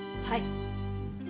はい。